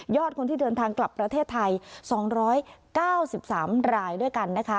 ยอดคนที่เดินทางกลับประเทศไทยสองร้อยเก้าสิบสามรายด้วยกันนะคะ